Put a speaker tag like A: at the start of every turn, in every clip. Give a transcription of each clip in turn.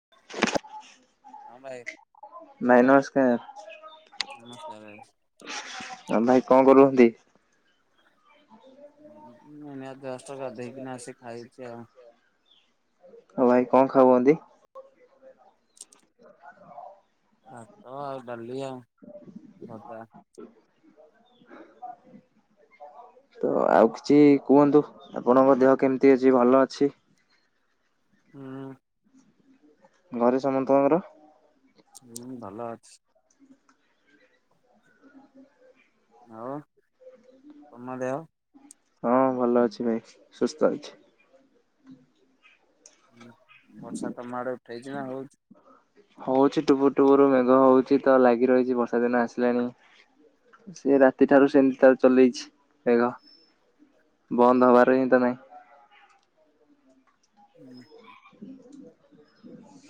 A: [inaudible]
B: ହଁ, ଭାଇ।
A: ନାଇଁ, ନମସ୍କାର।
B: ନମସ୍କାର। [unintelligible]
A: ହ ଭାଇ କଣ କରୁହନ୍ତି? [inaudible]
B: ନାଇଁ ନାଇଁ, ଜଷ୍ଟ ଗାଧେଇକିନା ଆସି ଖାଇଛି ଆଉ।
A: ହଉ ଭାଇ କଣ ଖାଉହନ୍ତି? ହ [unintelligible]
B: ଭାତ ଆଉ ଡାଲି ଆଉ ଭଜା।
A: [inaudible] ତ ଆଉ କିଛି କୁହନ୍ତୁ, ଆପଣଙ୍କ ଦେହ କେମତି ଅଛି ଭଲ ଅଛି?
B: ହୁଁ।
A: ଘରେ ସମତଙ୍କର?
B: ହୁଁ, ଭଲ ଅଛି। ଆଉ ତମ ଦେହ?
A: ହଁ, ଭଲ ଅଛି ଭାଇ, ସୁସ୍ଥ ଅଛି।
B: ଉଁ ହୁଁ। ବର୍ଷା ତମ ଆଡ଼େ ଉଠେଇଛି ନା ହଉଛି?
A: ହଉଛି, ଟୁପୁ ଟୁପରୁ ମେଘ ହଉଛି, ତ ଲାଗି ରହିଛି ବର୍ଷା ଦିନ ଆସିଲାଣି। ସେ ରାତିଠାରୁ ସେମତି ତାର ଚଲେଇଛି ମେଘ, ବନ୍ଦ ହବାର ହିଁ ତ ନାହିଁ।
B: ହୁଁ।
A: ହ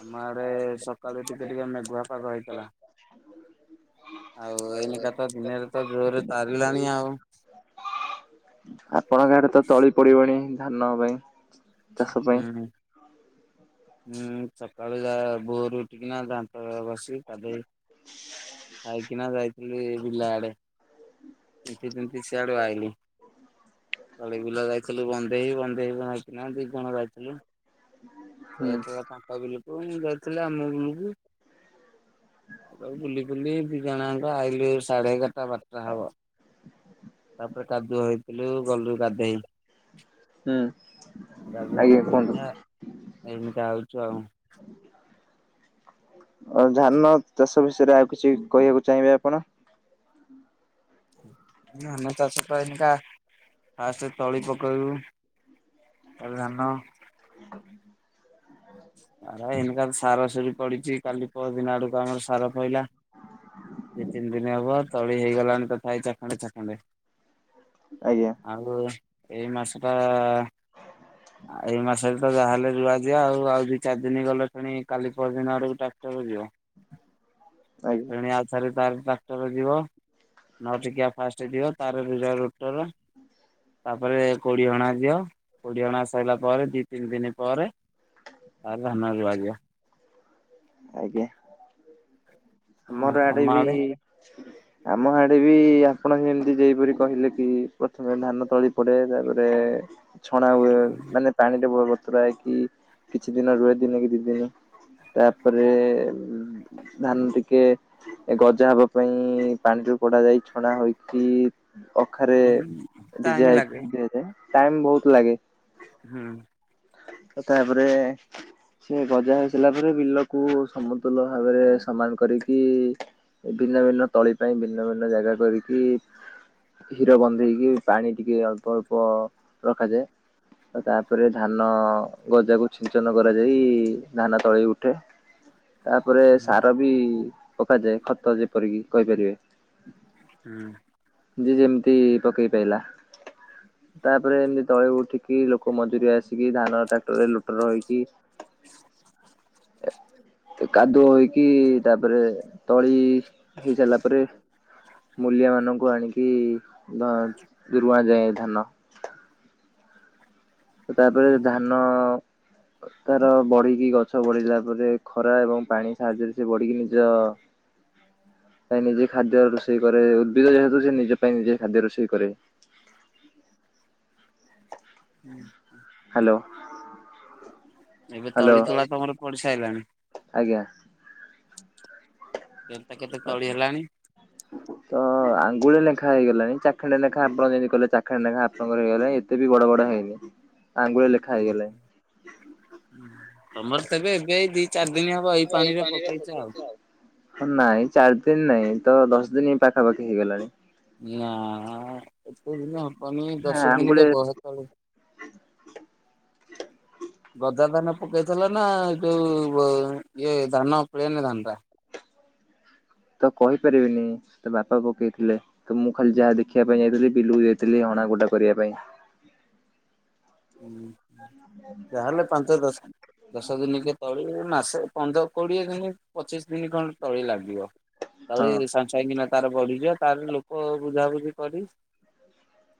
B: ଆମ ଆଡେ ସକାଳୁ ଟିକେ ଟିକେ ମେଘୁଆ ପାଗ ହେଇଥିଲା।
A: ହଁ
B: ଆଉ ଏଇନେକା ତ ଦିନରେ ତ ଜୋରରେ ତାରିଲାଣି ଆଉ।
A: ଆପଣଙ୍କ ଆଡ଼େ ତ ତଳି ପଡିବଣି ଧାନ ପାଇଁ? ଚାଷ ପାଇଁ
B: ହୁଁ, ହୁଁ। ହୁଁ, ସକାଳୁ ଯାହା ଭୋରୁ ଉଠିକିନା, ଦାନ୍ତ ଘଷିକି ଗାଧେଇ ଖାଇକିନା ଯାଇଥିଲି ବିଲ ଆଡେ। ତିନ୍ତି ତିନ୍ତି ସିଆଡ଼ୁ ଆଇଲି। ତଳି ବିଲ ଯାଇଥିଲୁ ବନ୍ଦେଇ ବନ୍ଦେଇ ନାଇଁ କି ନା ଦି ଜଣ ଯାଇଥିଲୁ। ସେ
A: ହୁଁ।
B: ଯାଇଥିଲା ତାଙ୍କ ବିଲକୁ ମୁଁ ଯାଇଥିଲି ଆମ ବିଲକୁ। ତ ବୁଲି ବୁଲି ଦି ଜଣାଆଙ୍କ ଆଇଲୁ ସାଢେ ଏଗାରଟା ବାରଟା ହବ। ତାପରେ କାଦୁଅ ହେଇଥିଲୁ ଗଲୁ ଗାଧେଇ।
A: ହୁଁ
B: ଗାଧେଇ
A: ଆଜ୍ଞା
B: ପାଦେଇ
A: କୁହନ୍ତୁ।
B: କା ଏଇନିକା ଆଉଛୁ ଆଉ।
A: ଆ ଧାନ ଚାଷ ବିଷୟରେ ଆଉ କିଛି କହିବାକୁ ଚାହିଁବେ ଆପଣ?
B: ଧାନ ଚାଷ ତ ଏଇନିକା ଫାର୍ଷ୍ଟ ତଳି ପକେଇବୁ। ତା ଧାନ
A: ହୁ
B: ଆ ଏନକା ସାର ସୁରି ପଡିଚି କାଲି ପଅରଦିନ ଆଡକୁ ଆମର ସାର ପଡିଲା। ଏଇ ତିନି ଦିନ ହବ ତଳି ହେଇଗଲାଣି ତଥାପି ଚାଖେଣ୍ଡ ଚାଖେଣ୍ଡ।
A: ଆଜ୍ଞା।
B: ଆଉ ଏଇ ମାସଟା ଆ ଏଇ ମାସ ଯାହେଲେ ରୁଆ ଯିବ ଆଉ ଦି ଚାରି ଦିନ ଗଲେ ଫେଣି କାଲି ପର ଦିନ ଆଡକୁ ଟ୍ରାକ୍ଟର ଯିବ
A: ଆଜ୍ଞା।
B: ସେଣି ଆଉ ସ ତାର ଟ୍ରାକ୍ଟର ଯିବ ନ ଟିକିଆ ଫାଷ୍ଟ ଯିବ ତାର [unintelligible] ରୋଟର ତାପରେ କୋଡି ହଣା ଦିଅ କୋଡି ହଣା ସରିଲା ପରେ ଦି ତିନି ଦିନ ପରେ ତାରେ ଧାନ ରୁଆ ଯିବ।
A: ଆଜ୍ଞା
B: ହଁ
A: ମୋର ଆଡେ
B: ତମ
A: ବି ଆମ ହାଡେ ବି ଆପଣ ଏମିତି ଯେପରି କହିଲେ କି ପ୍ରଥମେ ଧାନ ତଳି ଗୋଟେ ତାପରେ ଛଣା ହୁଏ ମାନେ ପାଣିରେ ବତୁରାଇ କି କିଛି ଦିନ ରୁହେ ଦିନ କି ଦି ଦିନ। ତାପରେ ଧାନ ଟିକେ ଗଜା ହବା ପାଇଁ ପାଣିରୁୁ ପଡାଯାଇ ଛଡା ହୋଇଚି ଅଖାରେ
B: ଟାଇମ
A: ଡିଜା
B: ଲାଗେ
A: ହେଇକି ଦିଆଯାଏ ଟାଇମ ବହୁତ ଲାଗେ।
B: ହୁଁ।
A: ତାପରେ ସେ ଗଜା ହୋଇଇସାରିଲା ପରେ ବିଲକୁ ସମତୁଲ ଭାବରେ ସମାନ କରିକି ଭିନ୍ନ ଭିନ୍ନ ତଳି ପାଇଁ ଭିନ୍ନ ଭିନ୍ନ ଜାଗା କରିକି ହିର ବନ୍ଧେଇକି ପାଣି ଟିକେ ଅଳ୍ପ ଅଳ୍ପ ରଖାଯାଏ ଆଉ ତାପରେ ଧାନ ଗଜାକୁ ଛିଞ୍ଚନ କରାଯାଇ ଧାନ ତଳି ଉଠେ। ତାପରେ
B: ହୁଁ
A: ସାର ବି ପକାଯାଏ ଖତ ଯେପରିକି କହିପାରିବେ।
B: ହୁଁ।
A: ଯେ ଯେମିତି ପକେଇ ପାଇଲା। ତାପରେ ଏମିତି ତଳେ ଉଠିକି ଲୋକ ମଜୁରି ଆସ କି ଧାନ ଟ୍ରାକ୍ଟରରେ ଲୁଟର ହେଇକି ଏ ତ କାଦୁଅ ହେଇକି ତାପରେ ତଳି ହେଇସାଇଲା ପରେ ମୂଲିଆ ମାନଙ୍କୁ ଆଣିକି ଧ ରୁଆ ଯାଏ ଧାନ। ସେଟା ଏଵେ
B: ହୁଁ
A: ଧାନ ତାର ବଢିକି ଗଛ ବଢିଲା ପରେ ଖରା ଏବଂ ପାଣି ସାହାଯ୍ୟରେ ସେ ବଢିକି ନିଜ [inaudible] ତା ନିଜ ଖାଦ୍ୟ ରୋଷେଇ କରେ ଉଦ୍ଭିଦ ଯେହେତୁ ସେ ନିଜ ପାଇଁ ନିଜେ ଖାଦ୍ୟ ରୋଷେଇ କରେ।
B: ହୁଁ।
A: ହାଲୋ
B: ଏବେ ତଳି ତୁଳା ତମର ପଡି ସାଇଲାଣି।
A: ଆଜ୍ଞା।
B: କେତେ କେତେ ତଳି ହେଲାଣି?
A: [inaudible] ତ ଆଙ୍ଗୁଳି ଲେଖାଏ ହେଇଗଲାଣି ଚାଖେଣ୍ଡେ ଲେଖା ଆପଣ ଯେମତି କହିଲେ ଚାଖେଣ୍ଡେ ଲେଖା ଆପଣଙ୍କର ହେଇଗଲାଣି ଏତେ ବି ବଡ ବଡ ହେଇନି। ଆଙ୍ଗୁଳେ ଲେଖା ହେଇଗଲାଣି।
B: ଉଁ ତମର ତେବେ ଏବେ ଏଇ ଦି ଚାରି ଦିନ ହବ ଏଇ ପାଣିରେ ପକେଇଚ ଆଉ।
A: ନାଇଁ ଚାରି ଦିନ ନାଇଁ ତ ଦଶ ଦିନ ପାଖାପାଖି ହେଇଗଲାଣି।
B: ନା ଏତେ ଦିନ ହବନି
A: ହଁ
B: ଦଶ ଦିନ କେ
A: ଆଙ୍ଗୁଳି
B: ବହେ ତଳି
A: [inaudible]
B: ଗଜା ଧାନ ପକେଇଥେଲନା ଯୋଉ ବ ଇଏ ଧାନ ପ୍ଲେନ ଧାନଟା।
A: ତ କହିପାରିବିନି ସେ ତ ବାପା ପକେଇଥିଲେ। ତ ମୁଁ ଖାଲି ଯାହା ଦେଖିବା ପାଇଁ ଯାଇଥିଲି ବିଲକୁ ଯାଇଥିଲି ହଣା ଗୋଟା କରିବା ପାଇଁ।
B: ଉଁ ହୁଁ ଯାହେଲେ ପାଞ୍ଚ ଦଶ ଦଶ ଦିନିକେ ତଳି ମାସେ ପନ୍ଦର କୋଡିଏ ଦିନ ପଚିଶ ଦିନ ଖଣ୍ଡେ ତଳି ଲାଗିବ।
A: ହଁ
B: ତଳି ସାଙ୍ଗସାଙ୍ଗେ କିନା ତାର ବଢିଯିବ ତାର ଲୋକ ବୁଝାବୁଝି କରି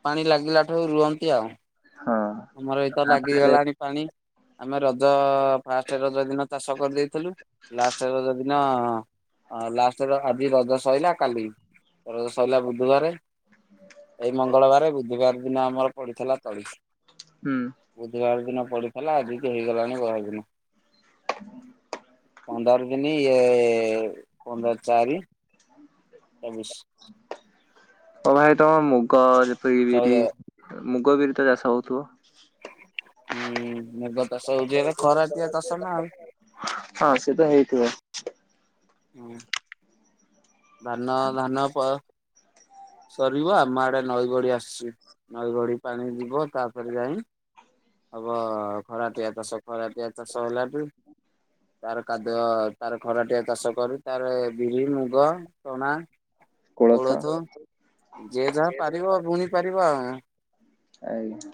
B: ପାଣି ଲାଗିଲାଠୁ ରୁଅନ୍ତି ଆଉ
A: ହଁ।
B: ଆମର ଏତ
A: ତାପରେ
B: ଲାଗିଗଲାଣି ପାଣି ଆମେ ରଜ ଫାଷ୍ଟେ ରଜ ଦିନ ଚାଷ କରିଦେଇଥିଲୁ ଲାଷ୍ଟ ରଜ ଦି ନ ଲାଷ୍ଟର ଆଜି ରଜ ସଇଲା କାଲି ରଜ ସଇଲା ବୁଧୁବାରେ ଏଇ ମଙ୍ଗଳବାରେ ବୁଧୁବାରେ ଦିନ ଆମର ପଡିଥିଲା ତଳି।
A: ହୁଁ।
B: ବୁଧୁବାର ଦିନ ପଡିଥିଲା ଆଜିିକି ହେଇଗଲାଣି ବହେ ଦିନୁ।
A: [inaudible]
B: ପନ୍ଦର ଦିନି ଇଏ ପନ୍ଦର ଚାରି
A: [inaudible]
B: [inaudible]
A: ଓ ଭାଇ ତମ ମୁଗ ଯେପରି
B: ଚଉଦ
A: ବିରି ମୁଗ ବିରି ତ ଚାଷ ହଉଥିବ।
B: ହୁଁ ମୁଗ ଚାଷ ହଉଚି ହେରା ଖରାଟିଆ ଚାଷ ନା ଆଉ
A: ହଁ ସେ ତ ହେଇଥିବ।
B: ହୁଁ। ଧାନ ଧାନ ପ ସରିବ ଆମ ଆଡେ ନଈ ବଢି ଆସଚି ନଈ ବଢ଼ି ପାଣି ଯିବ ତାପରେ ଯାଇ ହବ ଖରାଟିଆ ଚାଷ ଖରାଟିଆ ଚାଷ ହେଲା ଠୁ ତାର କାଦୁଅ ତାର ଖରାଟିଆ ଚାଷ କରୁ ତାରେ ବିରି ମୁଗ ଚଣା କୋଳଥ ଯେ ଯାହା ପାରିବ ବୁଣି ପାରିବ ଆଉ
A: ଆଜ୍ଞା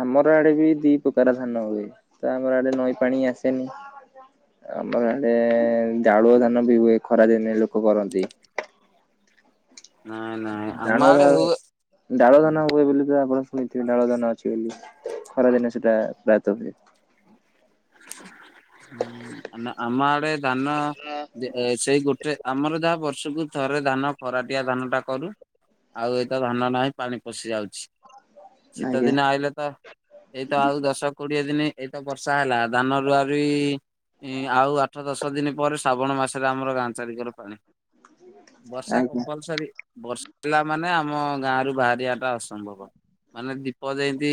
A: ଆମର ଆଡେ ବିରି ପ୍ରକାର ଧାନ ହୁଏ ତ ଆମ ଆଡେ ନଈ ପାଣି ଆସେନି। ଆମଆଡେ ଡାଳୁଅ ଧାନ ବି ହୁଏ ଖରା ଦିନେ ଲୋକ କରନ୍ତି।
B: ନାଇଁ ନାଇଁ ଆମ
A: ଡାଳୁଆ ଧା
B: ଆଡେ ହୁଏ
A: ଡାଳୁଆ ଧାନ ହୁଏ ବୋଲି ପା ଆପଣ ଏଠି ଡାଳୁଆ ଧାନ ଅଛି ବୋଲି ଖରାଦିନେ ସେଇଟା ପ୍ରାୟତଃ ହୁଏ।
B: ହୁଁ ଆମ ଆମ ଆଡେ ଧାନ ଏ ସେଇ ଗୋଟେ ଆମର ଯାହା ବର୍ଷକୁ ଥରେ ଧାନ ଖରାଟିଆ ଧାନ ଟା କରୁ। ଆଉ ଏତ ଧାନ ନାହିଁ ପାଣି ପଶି ଯାଉଛି। ଶୀତ
A: ଆଜ୍ଞା
B: ଦିନ ଆହିଲେ ତ ଏଇତ ଆଉ ଦଶ କୋଡିଏ ଦିନ ଏଇତ ବର୍ଷା ହେଲା। ଧାନ ରୁଆରୁଇ ଆଉ ଆଠ ଦଶ ଦଶ ଦିନ ପରେ ଶ୍ରାବଣ ମାସରେ ଆମର ଗାଁ ଚାରିକର ପାଣି। ବର୍ଷା
A: ଆଜ୍ଞା
B: କମ୍ପଲସରି ବର୍ଷ ପା ମାନେ ଆମ ଗାଁରୁ ବାହାରିବାଟା ଅସମ୍ଭବ ମାନେ ଦୀପ ଯେମତି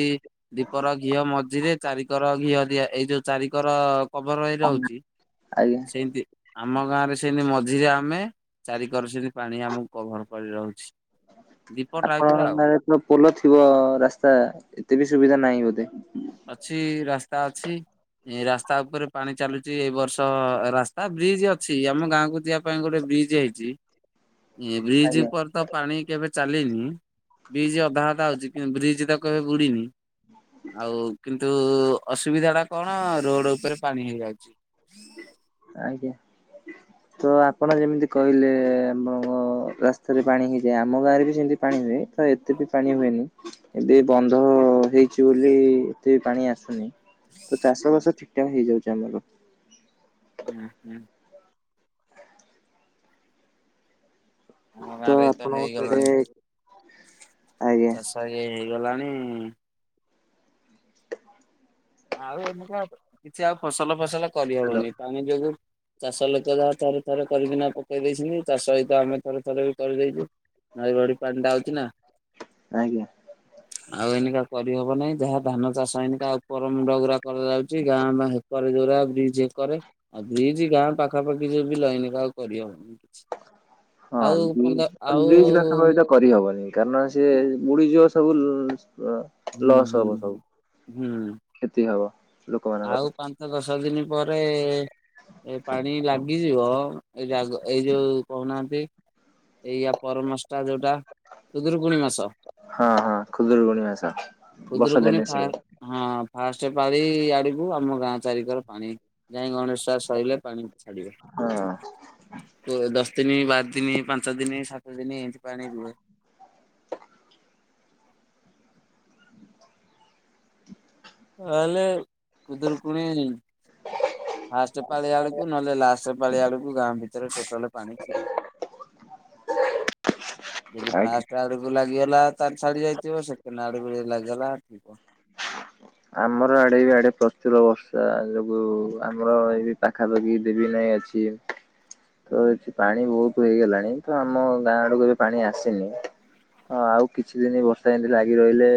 B: ଦୀପର ଘିଅ ମଝିରେ ଚାରିକର ଘିଅ ଦିଆ ଏଇ ଯୋଉ ଚାରିକର କବର ହେଇ ରହୁଛି
A: ଆଜ୍ଞା।
B: ସେମତି ଆମ ଗାଁରେ ସେମିତି ମଝିରେ ଆମେ ଚାରିିକର ସେତି ପାଣି ଆମକୁ କଭର କରି ରହୁଛି। ଦୀପ ଟାଇପ ର ଆଉ
A: ଆପଣଙ୍କ ନା ପୋଲ ଥିବ ରାସ୍ତା ଏତେ ବି ସୁବିଧା ନାହିଁ ବୋଧେ
B: ଅଛି ରାସ୍ତା ଅଛି। ଏ ରାସ୍ତା ଉପରେ ପାଣି ଚାଲୁଛି ଏଇ ବର୍ଷ ରାସ୍ତା ବ୍ରିଜ ଅଛି ଆମ ଗାଁକୁ ଯିବାକୁ ସେଥିପାଇଁ ଗୋଟେ ବ୍ରିଜ୍ ହେଇଛି। ଏ ବ୍ରିଜ
A: ଆଜ୍ଞା
B: ଉପରେ ତ ପାଣି କେବେ ଚାଲିନି, ବ୍ରିଜ୍ ଅଧା ଅଧା ହଉଛି। କିନ୍ତୁ ବ୍ରିଜ୍ ତ କେବେ ବୁଡିନି। ଆଉ କିନ୍ତୁ ନ୍ତୁ-ଉ-ଉ ଅସୁବିଧାଟା କଣ ରୋଡ୍ ଉପରେ ପାଣି ହେଇଯାଉଛି।
A: ଆଜ୍ଞା। ତ ଆପଣ ଯେମିତି କହିଲେ ଆମ ରାସ୍ତାରେ ପାଣି ହେଇଯାଏ, ଆମ ଗାଁରେ ବି ସେମିତି ପାଣି ହୁଏ। ତ ଏତେ ବି ପାଣି ହୁଏନି, ଏବେ ବନ୍ଧ ହେଇଛି ବୋଲି ଏତେ ପାଣି ଆସୁନି। ତ ଚାଷବାସ ଠିକଠାକ୍ ହେଇଯାଉଛି ଆମର।
B: ହୁଁ ହୁଁ। ଆମ ଗାଁରେ ତ
A: ଆପଣଙ୍କ ଆଡେ
B: ହେଇଗଲାଣି,
A: ଆଜ୍ଞା।
B: ଚାଷ ଏ ହେଇଗଲାଣି। ଆଉ ଏଇନିକା କିଛି ଆଉ ଫସଲ ଫସଲ
A: ହ୍ୟାଲୋ
B: କରିହବନି ପାଣି ଯୋଗୁ। ଚାଷ ଲୋକ ଯାହା ଥରେ ଥରେ କରିକିନା [unintelligible] ପକେଇ ଦେଇଛନ୍ତି ଚାଷ ସହିତ ଆମେ ଥରେ ଥରେ ବି କରିଦେଇଛୁ ନଈବଢି ପାଣିଟା ଆଉଛି ନା।
A: ଆଜ୍ଞା।
B: ଆଉ ଏଇନିକା କରିହେବନି, ଯାହା ଧାନ ଚାଷ ଏଇନିକା ଆଉ। [unintelligible] କରାଯାଉଛି ଗାଁ ବା ହେକରେ ଯୋଉଗୁରା ବ୍ରିଜ୍ ଏକରେ। ଆଉ ବ୍ରିଜ୍ ଗାଁ ପାଖାପାଖି ଯୋଉ ବିଲ ଏଇନିକା ଆଉ କରିହେବନି କିଛି।
A: ହଁ ବ୍ରିଜ୍, ବ୍ରିଜ୍ ପାଖାପାଖି। [unintelligible] କରିହବନି କାରଣ ସେ ବୁଡିଯିବ ସବୁ [inaudible]
B: ହୁଁ
A: ଲସ୍
B: ହୁଁ
A: ହବ ସବୁ,
B: ହୁଁ
A: କ୍ଷତି ହବ। ଲୋକମାନଙ୍କର
B: ଆଉ ପାଞ୍ଚ ଦଶ ଦିନ ପରେ-ଏ-ଏ ଏ ପାଣି ଲାଗିଯିବ ଏଇଟା ଆଗ ଏଇ ଯୋଉ କହୁନାହାନ୍ତି ଏଇ ଆ ପରମାସଟା ଯୋଉଟା। ଖୁଦୁରୁକୁଣୀ ମାସ,
A: ହଁ ହଁ ଖୁଦୁରୁକୁଣୀ ଓଷା। ବର୍ଷା
B: ଖୁଦୁରୁକୁଣୀ
A: ଦିନେ
B: ଫା
A: ଆସିବ
B: ହଁ ଫାଷ୍ଟ୍ ପାଳି ୟାଡି କୁ ଆମ ଗାଁ ଚାରିିକର ପାଣି, ଯାଇ ଗଣେଶ ପୂଜା ସଇଲେ ପାଣି ଛାଡିବ।
A: ହଁ
B: [unintelligible] ଦଶ ଦିନି, ବାର ଦିନି, ପାଞ୍ଚ ଦିନି, ସାତ ଦିନି, ଏମତି ପାଣି ରୁହେ। ତା ହେଲେ ଖୁଦୁରୁକୁଣୀ ଫାଷ୍ଟ ପାଳି ଆଡକୁ ନହେଲେ ଲାଷ୍ଟ ପାଳି ଆଡକୁ ଗାଁ ଭିତରେ ଟୋଟାଲ ପାଣି ଥିବ। ସେ ଯୋଉ
A: ଆଜ୍ଞା
B: ଫାଷ୍ଟ୍ ତା ଆଡକୁ ଲାଗିଗଲା ତାହେଲେ ଛାଡି ଯାଇଥିବ ସେ କେନା ଆଡକୁ ଯଦି ଲାଗିଗଲା ଥିବ।
A: ଆମର ଆଡେ [unintelligible] ଆଡେ ପ୍ରଚୁର ବର୍ଷା ଯୋଗୁ ଆମର ଏଇ ପାଖାପାଖି ଦେବୀ ନଈ ଅଛି। ତ ଏଠି ପାଣି ବହୁତ ହେଇଗଲାଣି, ତ ଆମ ଗାଁଆ ଆଡକୁ ଏବେ ପାଣି ଆସିନି। ହଁ ଆଉ କିଛି ଦିନି ବର୍ଷା ଏମତି ଲାଗି ରହିଲେ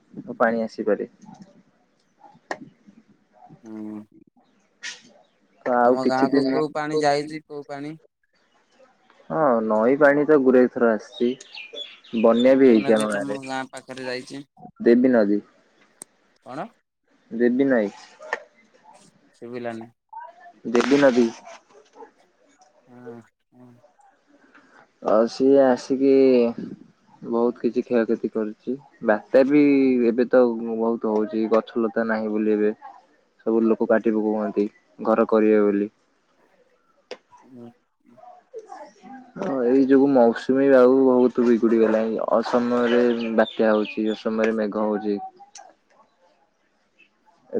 A: [inaudible] ପାଣି ଆସିପାରେ।
B: ହୁଁ,
A: ତ ଆଉ
B: ତମ
A: କିଛି
B: ଗାଁକୁ କୋଉ ପାଣି
A: ଦିନ
B: ଯାଇଛି କୋଉ ପାଣି?
A: ହଁ ନଈପାଣି ତ ଗୁରେଇ ଥର ଆସିଛି। ବନ୍ୟା ବି
B: କୋଉ
A: ହେଇଛି
B: ନଦୀ
A: ଆମ
B: ତମ
A: ଗାଆଁରେ,
B: ଗାଁ ପାଖରେ ଯାଇଛି
A: ଦେବୀ ନଦୀ।
B: କଣ?
A: ଦେବୀ ନଈ।
B: ଶୁଭିଲାନି।
A: ଦେବୀ ନଦୀ।
B: ହଁ ହଁ।
A: ଆଉ ସିଏ ଆସିକି, ବହୁତ କିଛି କ୍ଷୟକ୍ଷତି କରୁଛି। ବାତ୍ୟା ବି ଏବେ ତ ବହୁତ ହଉଛି, ଗଛଲତା ନାହିଁ ବୋଲି ଏବେ। ସବୁ ଲୋକ କାଟି ପକଉଛନ୍ତି, ଘର କରିବେ ବୋଲି।
B: ହୁଁ।
A: ହଁ ଏଇ ଯୋଗୁ ମୌସୁମୀ ଆଉ [unintelligible] ଗଲାଣି, ଅସମୟରେ ବାତ୍ୟା ହଉଛି। ସମୟରେ ମେଘ ହଉଛି।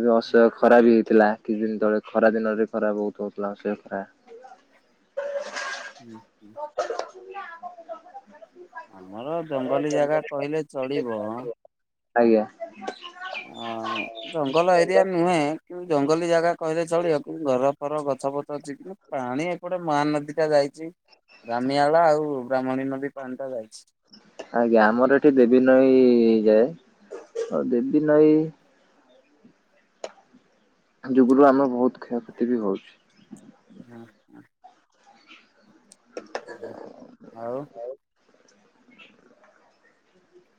A: ଏବେ ଅସହ୍ୟ ଖରା ବି ହେଇଥିଲା କିଛିଦିନ ତଳେ, ଖରା ଦିନରେ ଖରା ବହୁତ ହଉଥିଲା ଅସହ୍ୟ ଖରା।
B: [inaudible] ଆମର ଜଙ୍ଗଲୀ ଜାଗା କହିଲେ ଚଳିବ।
A: ଆଜ୍ଞା।
B: ଅ ଜଙ୍ଗଲ ଏରିଆ ନୁହେଁ, ଜଙ୍ଗଲୀ ଜାଗା କହିଲେ ଚଳିବ, କିନ୍ତୁ ଘର ଫର ଗଛ ଫଛ ଅଛି [inaudible] ପାଣି ଏପଟେ ମହାନଦୀ ଟା ଯାଇଚି। ରାମିଆଳା ଆଉ ବ୍ରାହ୍ମଣୀ ନଦୀ ପାଣିଟା ଯାଇଛି।
A: ଆଜ୍ଞା, ଆମର ଏଠି ଦେବୀନଈ ଯାଏ, ଆଉ ଦେବୀନଈ ଯୁଗୁରୁ ଆମ ବହୁତ କ୍ଷୟକ୍ଷତି ବି ହଉଛି।
B: [inaudible] ଆଉ।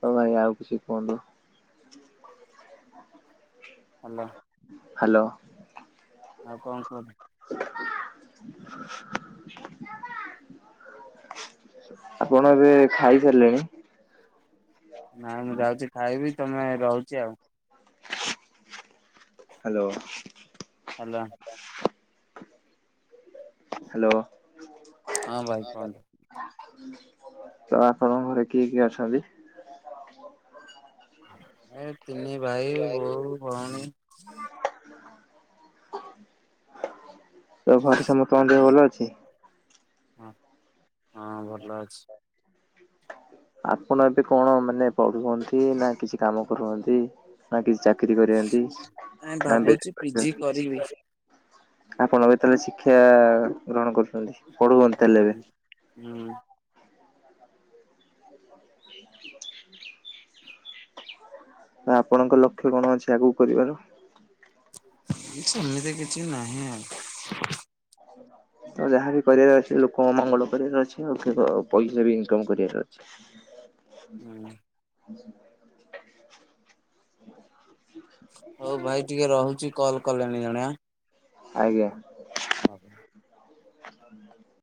A: ହଉ ଭାଇ ଆଉ କିଛି କହୁନ୍ତୁ।
B: ହାଲୋ।
A: ହାଲୋ।
B: ଆଉ କଣ କୁହନ୍ତୁ?
A: ଆପଣ ଏବେ ଖାଇସାରିଲେଣି?
B: ନାଇଁ ମୁଁ ଯାଉଛି ଖାଇବି, ତୋମେ ରହୁଛି ଆଉ।
A: ହାଲୋ।
B: ହାଲୋ।
A: ହ୍ୟାଲୋ।
B: ହଁ ଭାଇ କହନ୍ତୁ।
A: ତ ଆପଣଙ୍କ ଘରେ କିଏ କିଏ ଅଛନ୍ତି?
B: ଏ ତିନି ଭାଇ, ବୋଉ, ଭଉଣୀ।
A: ତୋମ ଘରେ ସମସ୍ତଙ୍କ ଦେହ ଭଲ ଅଛି?
B: ହଁ ଭଲ ଅଛି।
A: ଆପଣ ଏବେ କଣ ମାନେ ପଢୁଛନ୍ତି ନା କିଛି କାମ କରନ୍ତି? ନା କିଛି ଚାକିରି କରଚନ୍ତି
B: ନାଇଁ
A: ନା ବି [inaudible]
B: ଭାବୁଛି ପିଜି କରିବି।
A: ଆପଣ ଏବେ ତାହେଲେ ଶିକ୍ଷା ଗ୍ରହଣ କରୁଛନ୍ତି। ପଢୁଛନ୍ତି ତାହେଲେ
B: ଉଁ,
A: ଏବେ
B: ହୁଁ, ହୁଁ।
A: ତ ଆପଣଙ୍କ ଲକ୍ଷ୍ୟ କଣ ଅଛି ଆଗକୁ କରିବାର?
B: [inaudible] ସେମିତି କିଛି ନାହିଁ ଆଉ।
A: ତ ଯାହାବି କରିବାର ଅଛି ଲୋକଙ୍କ ମଙ୍ଗଳ କରିବାର ଅଛି। ଆଉ କେବ ପଇସା ବି ଇନକମ୍ କରିବାର ଅଛି।
B: ହୁଁ ହଉ ଭାଇ ଟିକେ ରହୁଚି, କଲ୍ କଲେଣି ଜଣେ ଆଁ,।
A: ଆଜ୍ଞା।